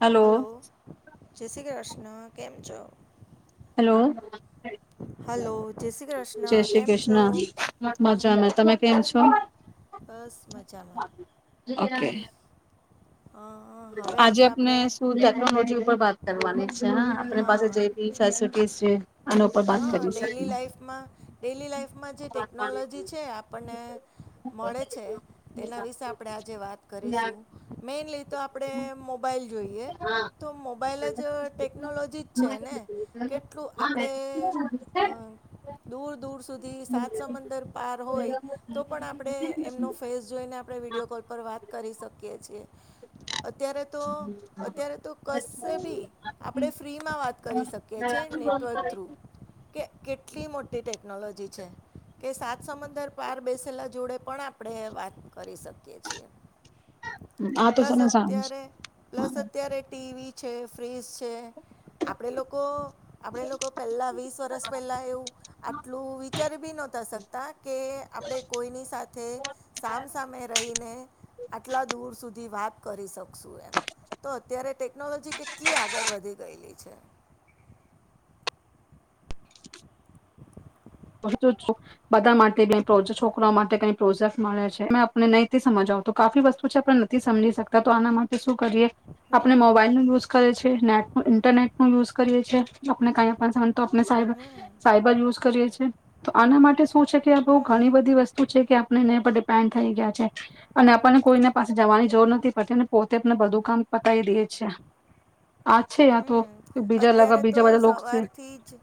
Hello. જય શ્રી કૃષ્ણ કેમ છો? હેલો હલો જય શ્રી [inaudible] જય કૃષ્ણ શ્રી કેમ છો કૃષ્ણ. મજા તમે કેમ છો? બસ મજામાં ઓકે. અ, હવે આજે આપને આપણે સુ ટેક્નોલોજી ઉપર વાત [unintelligible] આપણી પાસે હા, જે બી ફેસિલિટીઝ છે આના ઉપર વાત હા કરી ડેલી શકીએ લાઈફમાં ડેલી લાઈફમાં જે ટેકનોલોજી છે આપણને મળે છે, તેના વિશે આપડે આજે વાત કરીશું. તો આપણે મોબાઈલ જોઈએ તો મોબાઈલ જ ટેકનોલોજી જ છે ને, કેટલું આપણે અ દૂર દૂર સુધી સાતસંદર પાર હોય, તો પણ આપણે એમનો ફેસ જોઈને આપણે વિડીયો કોલ પર વાત કરી શકીએ છે. અત્યારે તો, અત્યારે તો કસે બી આપણે ફ્રીમાં વાત કરી શકીએ છે નેટવર્ક થ્રુ, કે કેટલી મો તે ટેકનોલોજી છે. કે સાત સમદર પાર બેસેલા જોડે પણ આપણે વાત કરી શકીએ છે. આ તો પ્લસ તને સાંજ અત્યારે, પ્લસ અત્યારે ટી વી છેફ ફ્રિઝ છે આપડે લોકો આપડે લોકો પહેલા વીસ વર્ષ પહેલા એવું આટલું વિચારી બી નહતા શકતા કે આપણેે કોઈની સાથે સામસામે રહીને આટલા દૂર સુધી વાત કરી શકશું એમ તો અત્યારે ટેકનોલોજી કેટલી કેટલી આગળ વધી ગયેલી છે [inaudible] બધા માટે છોકરાઓ માટે કઈ પ્રોજેક્ટ મળે છે આપને નહીથી સમજાવ તો કફી વસ્તુ છે આપણે નથી સમજી શકતા તો આના માટે શું કરીએ આપણે હમ મોબાઈલ નું યુઝ કરે છે નેટનું ઇન્ટરનેટ નું યુઝ કરીએ છી લોકોને ક તો આપણે સાયબર હમ સાયબર યુઝ કરીએ છીએ તો આના માટે શું છે કે બઉ હમ ઘણી બધી વસ્તુ છે કે ને પર ડિપેન્ડ થઈ ગયા છે અને આપણને કોઈને પાસે જવાની જરૂર નથી પડતી અને પોતેને બધું કામ પતાવી દે છે આ તો હમ બીજા લગ અત્યારે તો બીજા બધા લોકો છે સવારથી જ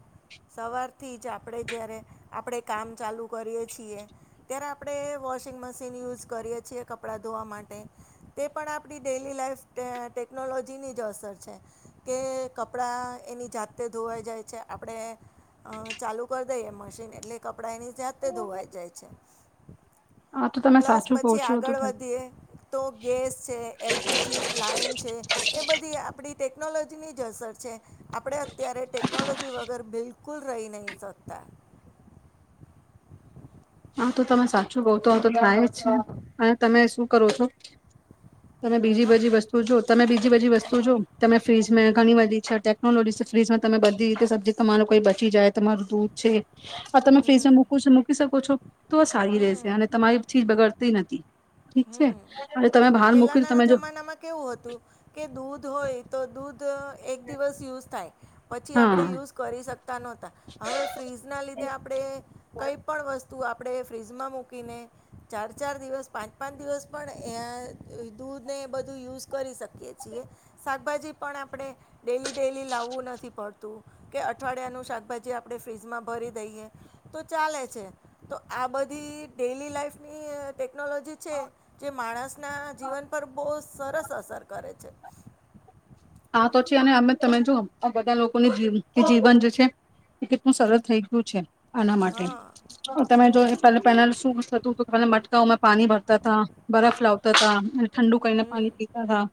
સવારથી જ આપડે જયારે આપણે કામ ચાલુ કરીએ છીએ ત્યારે આપણે વોશિંગ મશીન યુઝ કરીએ છીએ કપડાં ધોવા માટે તે પણ આપણી ડેલી લાઈફ ટેકનોલોજીની જ અસર છે કે કપડાં એની જાતેતે ધોવાઈ જાય છે આપણે ચાલુ કરી દઈએ મશીન એટલે કપ કપડા એની જાતે ધોવાઈ જાય છે હ આ તો [inaudible] તમે પ્લસ સાચું કહો પછી છો તો આગળ વધીએ તો ગેસ છે એલપીજી લાઈન છે એ બધી આપડી ટેકનોલોજી જસર છે આપણે અત્યારે ટેકનોલોજી વગર બિલકુલ રહી નહી શકતા હા તો તમે સાચું બઉ તો આમ તો થાય જ છે અને તમે શું કરો છો તમે બીજી હં બધી વસ્તુ જો તમે બીજી બધી વસ્તુ જો તમે ફ્રીજ હં ઘણી બધી છેટે લો ફ્રીજમાં તમે બધી રીતે સબ્જી તમાર કોઈ બચી જાય તમારું દૂધ છે હ તમે હં ફ્રીઝમાં મૂક છો મૂકી શકો છો તો હં સારી રશે અને તમારી થી બગર તે નથી ઠીક છે હમ અને તમે બહાર પેલા મૂકી નાના તમે જો જમાનામાં કેવું હતું કે દૂધ હોય તો દૂધ એક દિવસ યુઝ થાય પછી આપણે હા યુઝ કરી શકતા નહોતા હવે ફ્રીઝના લીધે આપણે કંઈ પણ વસ્તુ વસ્તુ આપણે ફ્રીજમાં મૂકીને ચાર ચાર દિવસ પાંચ પાંચ દિવસ પણ એ દૂધને એ બધું યુઝ કરી શકીએ છીએ શાકભાજી પણ આપણે ડેલી ડેઈલી લાવવું નથી પડતું કે અઠવાડિયાનું શાકભાજી આપણે ફ્રીજમાં ભરી દઈએ તો ચાલે છે તો આ બધી ડેલી લાઈફની ટેકનોલોજી છે જે માણસના જીવન પર બહુ સરસ અસર કરે છે હા તો છે અને અમે તમે જોુ આ બધા લોકોની જીવન જે છે એ કેટલું સરળ થઈ ગયું છે આના માટે હા તમે જો હમ પહે પેનલ શું થતું તો પલા મટકાઓમાં પાણી ભરતા હતાા બરફ લાવતા હતાા અને ઠંડુ કરીને હમ પાણી પીતા હતાા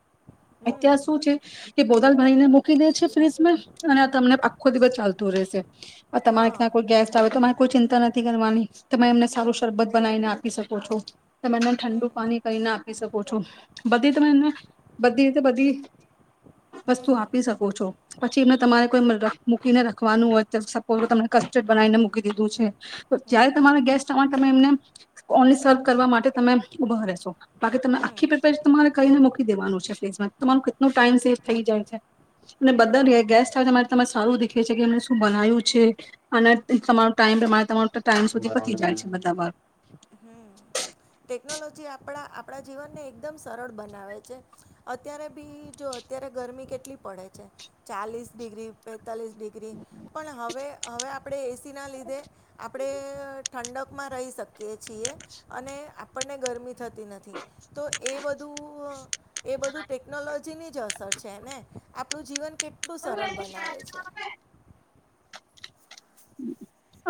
હમ અત્યારેં શું છે કે બોદલ ભણીને મુ મકી દે છે ફ્રીજ અને તમને આખો દિવસ ચાલતું રહેશે આ તમારે હા ક્યાં કોઈ ગેસ્ટ આવે તોરે કોઈ ચિંતા નથી કરવાની તમે એમને સારું હમ શરબત બનાવીને આપી શકો છો તમે એમને ઠંડુ હમ પાણી કરીને આપી શકો છો બધી ને બધી તો બધી હમ વસ્તુ આપી શકો છો? પછી એમને તમારે કોઈ મૂકીને રાખવાનું હોય. કોઈ તો તને કસ્ટર્ડ બનાવીને મૂકી દીધું છે. તો જ્યારે તમારા ગેસ્ટ આમાં તમે એમને કોને સર્વ કરવા માટે તમે ઉભા રહેશો? બાકી તમે આખી પ્રિપે કરીને તમારે મૂકી દેવાનું છે ફીઝમાં. તમાું ક [unintelligible] ટાઈમ સેફ થઈ જાય છે. અને હમ બધા ગેસ્ટ આવે ત્યારે તમારે શું સારું દેખે છે કે એમને શું બનાવ્યું છે અને તમારો ટાઈમ તમારા ટાઈમ સુધી પહોંચી જાય છે બધા. હમ, ટેકનોલોજી આપડા આપડા જીવનને એકદમ સરળ બનાવે છે. અત્યારે બી જો અત્યારે ગરમી કેટલી પડે છે. ચાલીસ ડિગ્રી. એકતાલીસ ડિગ્રી પણ હવે હવે આપણે એ ના લીધે આપણે આપણે ઠંડકમાં રહી શકીએ. છીએ અને આપ મને ગરમી થતી નથી તો એ બધું એ બધું ટેકનોલોજી ની જ અસર છેને આપણું જીવન કેટલું સરળ બનાવે છે.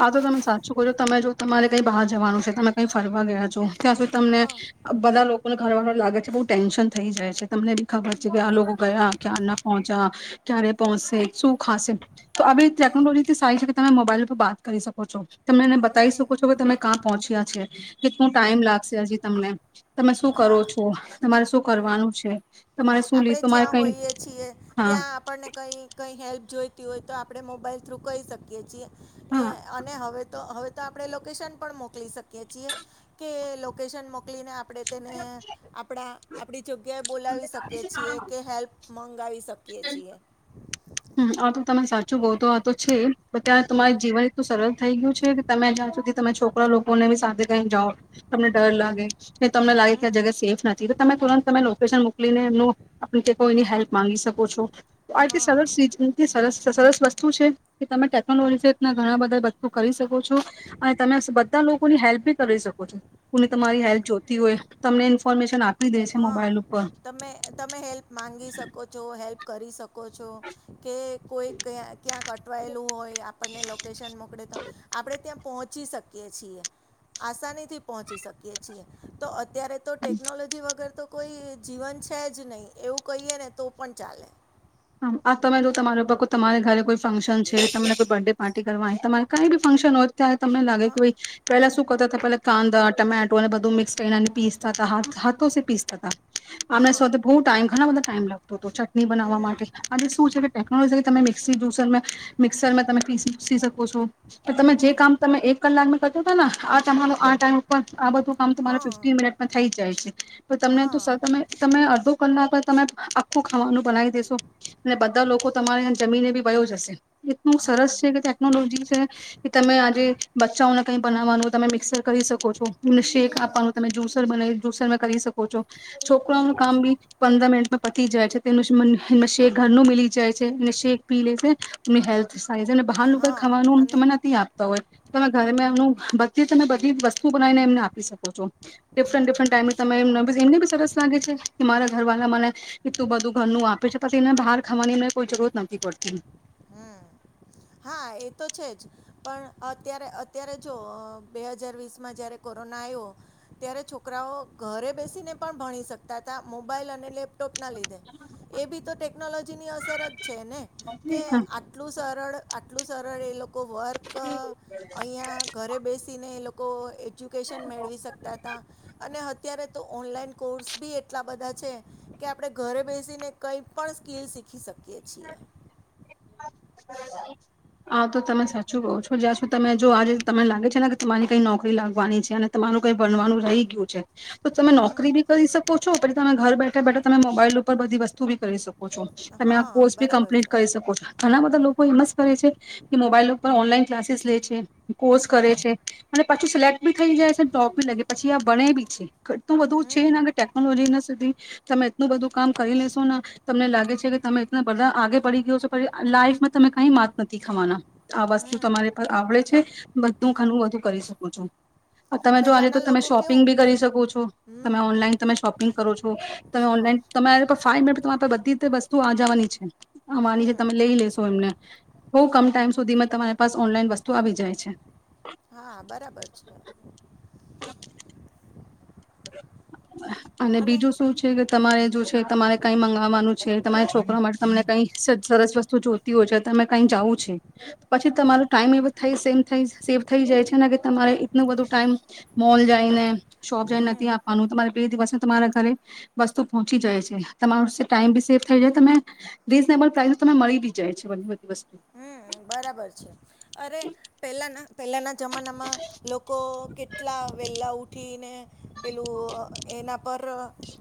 આ તો તમે સાચું કરજો તમે જો તમારે કઈ બહાર જવાનું છે તમે કઈ ફરવા ગયા છો? ત્યાં તો તમને હા બધા લોકોને કરવાનું લાગે છે બહુ ટેન્શન થઈ જાય છે. તમને બી ખબર છે કે આ લોકો ગયા ક્યાં પહોંચ્યા, ક્યારે પહોંચશે શું ખાશે? તો અ આવીવે હમ ટેકનોલોજ થી સાાય તમે મોબાઈલ પર વાત કરી શકો છો? તમે એને બતાવી શકો છો હમ કે તમે ક્યાં પહોંચ્યા? છે. કેટલું ટાઈમ લાગશે હજી તમને? તમે શું કરો હા છો? તમારે શું? હમ, કરવાનું છે તમારે શું લી આપડે તમારે જ્યાં કઈ હોઈએ છીએ હા ત્યાં આપણને કંઈ કંઈ હેલ્પ જોઈતી હોય તો આપણે મોબાઈલ થ્રુ કહી શકીએ છીએ. એ હા અને હવે તો હવે તો આપણે લોકેશન પણ મોકલી શકીએ છીએ કે લોકેશન મોકલીને આપ? આપણે તેને આપણા આપડી જગ્યાએ બોલાવી શકીએ છીએ કે હેલ્પ મંગાવીશ શકીયે છીએ હમ આ તો તમે સાચું બહ તો આ તો છે પણ તં તમાર હમ જીવન એટલું સરળ થઈ ગયું છે કે તમે જ્યાં સુધી તમે છોકરા લોકોને બી સાથે કઈ જાઓ તમને ડર લાગે ને તમને લાગે કે આ જગ્યા હમ સેફ નથી તમે તુરંત તમે લોકેશન મોકલીને એમનું આપ કોઈની હેલ્પ માંગી શકો છો હા [unintelligible] સર સરસ વસ્તુ છે કે તમે ટેકનોલોજી રીના ઘણા બધા વસ્તુ કરી શકો છો અને તમે બધા લોકોની હેલ્પ બી કરી શકો છો કોને તમારી હેલ્થ જોતી હોય તમને ઇન્ફર્મેન આપ હા તમે તમે હેલ્પ માંગી શકો છો હેલ્પ કરી શકો શકો છો કોઈ ક્યાં અટવાયેલું હોય આપણને લોકેશન મોકલે તો આપ ત્યા પહોચી શકીએ છીએ આસાનીથી પહોંચી શકીએ છીએ તો અ અત્યારે તો ટેકનોલોજી વ અગર તો કોઈ જીવન છે જ નહીં એવું કહીએ ને તો પણ ચાલે હા આ તમે જો તમારેકો તમારે ઘરે કોઈ ફંક્શન છે તમને કોઈ બર્થડે પાર્ટી કરવાની તમારે કઈ બી ફંક્શન હોય ત્યારે તમને લાગે કે હા ભાઈ પેલા શું [unintelligible] પેહલા કાંદા ટમેટો અને બધું મિક્સ કરીને પી હાથ હાથોથી પીસતા હતા આપણા હા સૌ બો ટાઈમ ઘણા બધા ટાઈમ લાગતો હતો ચટણી બનાવા હમ માટે શું છે કે ટેકનોલોજી કે તમે મિક્ જ્યુસર મિક્સરમાં તમે પી પીસી શકો છો કે તમે જે હમ કામ તમે એક કલાકમાં કર હતા ને આ તમારો આ ટાઈમ ઉપર આ બધું કામ તો તમારે હા ફિફ્ટન મિનિટમાં થાય જાય છે પણ તમને તો હા સર તમે તમે અડધો કલાક તમે આખું ખાવાનું બનાવી દેેશો અને બધા લોકો તમારે જમીને બી વયો જશે એટલું સરસ હમ છે કે ટેકનોલોજી છે કે તમે આજે બચ્ચાઓને કઈ બનાવવાનું તમે મિક્સર કરી શકો છો શેક હમ આપવાનું તમે જ્યુસર બનાવી જુસર માં કરી શકો છો છોકરાઓનું કામ બી પંદર મિનટમાં પતી જાય છે તેનું [unintelligible] શેક ઘરનું મી જાય છે અને શેક પી લે છે એમની હેલ્થ ને બહારનું કઈ હા ખાવાનું અને તમે નથી આપતા હોય તમે ઘરે એમનું બધી તમે બધી જ વસ્તુ બનાવીને એમને આપી શકો છો ડિફરન્ટ ડિફરન્ટ ટાઈમે તમે એમ સરસ લાગે છે કે મારા ઘરવાળલા મને કે તું બધું ઘરનું આપે બસ એને બહાર ખવાની મે કોઈ જરૂરત નથી પડતી હમ હા એ તો છે જ પણ અત્યારે અત્યારે જો બે હજાર વીસ માં જયારે કોરોના આવ્યો ત્યારે છોકરાઓ ઘરે બેસીને પણ ભણી શકતા હતા મોબાઈલ અને લેપ ટોપ ના લીધે એ બી તો ટેકનોલોજીની અસર જ છે ને કે આટલું સરળ એટલ સર એ લોકો લોકો વર્ક અહીંયા ઘરે બેસીને એ લોકો લોકો એજ્યુકેશન મેળવી શકતા હતા અને અત્યારે તો ઓનલાઈન કોર્સ બી એટલા બધા છે કે આપણે ઘરે બેસીને કંઈ પણ સ્કીિલ શીખી શકીએ કે છએ આ તો તમે સાચું કહો છો જ્યાં છું તમે જો આજે તમને લાગે છે ને કે તમારી કઈ નોકરી લાગવાની છે અને તમારું કઈ ભણવાનું રહી ગયું છે તો તમે હમ નોકરી બી કરી શકો છો પછી તમે ઘર બેઠા બેઠા તમે મોબાઈલ ઉપર બધી વસ્તુ બી કરી શકો છો તમે આ હા કોર્સ બી બરાબર કમ્પ્લીટ છે કરી શકો છો ઘણા બધા લોકો એમ જ કરે છે કે મોબાઈલ ઉપર ઓનલાઈન ક્લાસીસ લે છે કોર્સ કરે છે અને પાછી સિલેક્ટ બી થઈ જાય છે ટોપ બી લાગે પછી આ બને બી છે એટલું બધું છે હમ ને ટેકનોલોજીના સુધી તમે એટલું બધું કામ કરી લેશો ને તમને લાગે છે કે તમે એલા બધા આગે પડી ગયો છો લાઈફમાં તમે કઈ માત નથી ખાવાના આ વસ્તુ હમ તમારે પર આવડે છે બધું ખું બધું કરી શકો છો તમે જો આજે તો પેલાના તમે લોકો શોપિંગ કેવું બી કરી શકો છો હમ તમે ઓનલાઈન તમે શોપિંગ કરો છો તમે શ્યોર ઓનલાઈન તમે આ ફાઇવ મિનિટ તમારા બધી જ તું આજવાની છે અમાની છે લેશ હમ બ હમ ટી તમાન વસ્તુ આવી જાય હા બરાબર છે અને બીજું શું છે કે હમ તમારે જો છે તમારે કઈ મંગ વાનું છે તમારા છોકરા માટે તમને કઈ સરસ વસ્તુ જોતી હોય છે તમે કઈ જાવું છે પછી તમારો ટાઈમ એવ થાય સે થ સેવ થઈ જાય છે ને કે તમારે એટલું બધું ટાઈમ મોલ જઈને શોપ નથી આપવાનું તમારે બે દિવસ તમારા ઘરે વસ્તુ પહોંચી જાય છે તમારો ટાઈમ બી સેવ થઈ જાય તમે રીઝનેબલ પ્રાઇસ તમે મળી બી જાય છે બધી બધી વસ્તુ બરાબર છે અરે પેલા ના પહેલાંના જમાનામાં લોકો કેટલા વેલા ઉઠીને પેલું એના પર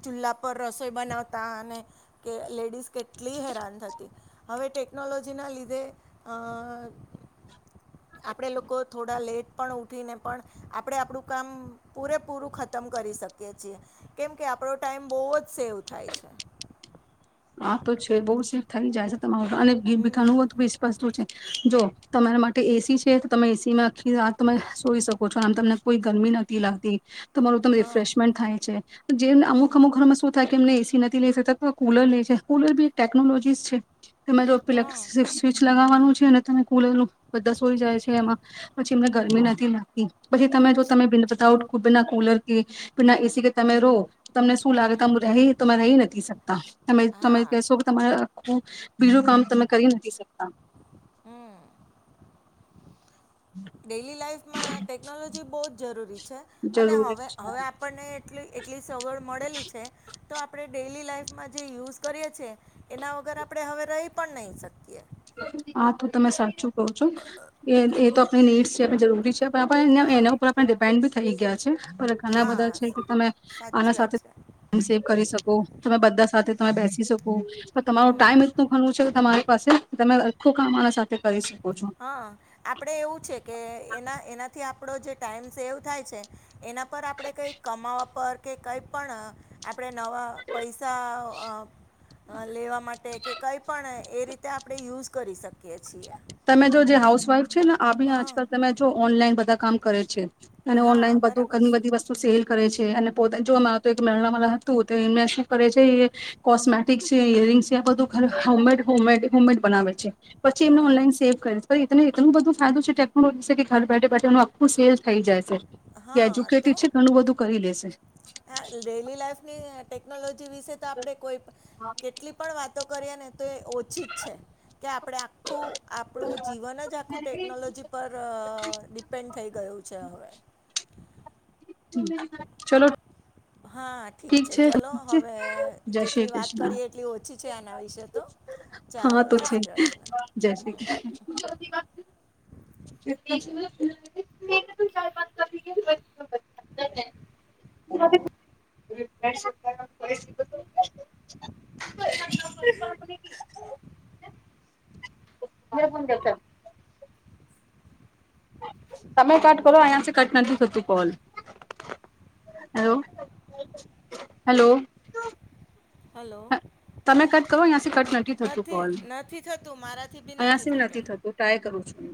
ચૂલ્લા પર રસોઈ બનાવતા અને કે લેડીઝ કેટલી હેરાન થતી હવે ટેકનોલોજીના લીધે અ આપણે લોકો થોડા લેટ પણ ઉઠીને પણ આપણે આપણું કામ પૂરેપૂરું ખતમ કરી શકીએ છીએ કેમ કે આપણો ટાઈમ બહુ જ સેવ થાય છે હા તો છે બહુ સ થ જ તમા હમ અનેાનું સ્પષ છે જો તમારા માટે એસી છે તો તમે એસીમાં આખી રાત તમે સોઈ શકો છો આમ તમને કોઈ ગરમી નથીતી લાગતી તમારું તને હા રિફ્રેશમેન્ટ થાય છે જેમને અમુક અમુક ઘરમાં શું થાય કે એમને એ નથી લ કુલ લે ફકલ બી એક ટેકનોલોજીી છે તે હા મેપઇક્ટ સ્વિચ લગા છે અને તમે કુળેલું બધા સોઈ જાય છે એમાં પછી એમને હમ ગરમી નથી લાગતી પછી તમે જો તમે બાઉટના કુલર એ ના એી કે તમે રો તમને શું લાગે તો હમ હું રહી તમે રહી નથી શકતા તમે તમે હા કહેશો કે તમારા હ બીજું કામ તમે કરી નથી શકતા હમ ડેલી લાઈફમાં ટેકનોલોજી બહ જ જરૂરી છે જરૂરી અનેવે હવે છે આપણને એટલી સગવડ મળેલી છે તો આપણે ડેલી લાઈફ માં જે યુઝ કરીએ છીએ એના વગર આપણે હવે રહી પણ નહીં શકીએ હા તો તમે સાચું ક છો એ એ તો એ નીડસ છે આપ જરૂરી છે એના હા ઉપરણે ડિપેડ થઈ ગયા છે ઘણા બધા હા છે કે સા- તમે આના સાચી સાથે વાત છે ટ સેવ કરી શકો તમે બધા સાથે તમે બેસી શકો પણ તમારો હમ ટાઈમ એટલું ઘણવું છે કે તમારી પાસે તમે અખું કામરા સાથે કરી છે હા આપડે એવું છે કે એના એના થી આપણો જે ટાઈમ સેવ થાય છે એના પર આપડે કઈ કમાવા પર કે કઈ પણ આપણે નવા પૈસા લેવા માટે કે કંઈ પણણ એ રીતે આપણે યુઝ કરી શકીએ છીએ તમે જો જે હાઉસવાઇફ છે ને હા આજકાલ તમે જો ઓનલાઈન બધા કામ કરે છે અને હા ઓનલાઈન બધું બરાબર ઘણી બધી વસ્તુ સેલ કરે છે અને પોતે જો મા તો મેરણા વાળા હતું તો એને શું કરે છે એ કોસ્મેટિક છે યરિંગ્ છે બધું ઘ હોમમેડ હોમમેડ હોમમેડ બનાવે છે પછી છે એમને હા ઓનલાઈન [unintelligible] ઇતને એટલુ બધું સાદું છે ટેકનોલોજી ઘર બેઠે બેઠે એનું આખું સેલ્સ થઈ જાય શે હા તો એજ્યુકેટેડ છે ઘણું બધું કરી લેશે. હા ડેલી લાઈફ ની ટેકનોલોજ જી વિશે તો આપણે કોઈપ કેટલી પણ વાત તો કરીએ ને તો એ ઓછી જ છે કે આપણે આખું આપણું જીવન જ આખું ટેકનોલોજી પર ડિપેન્ડ થઈ ગયું છે હવે. ચલો. હા ઠીક છે ચલો છે હવે જય શ્રી જેટલી વાત કૃષ્ણ કરીએ એટલી ઓછી છે આના વિશે તો ચાલો હા તો જય છે શ્રી કૃષ્ણ જય શ્રી હમ્મ. [unintelligible] [unintelligible] [unintelligible] તમે કટ કરો અહીયાથી કટ નથી થતું કોલ હલો હેલો. હલો. તમે કટ કરો અહીયાસી કટ નથી થતું કોલ અહીયાસી ભી નથી થતું ટ્રાય કરું છું હુ.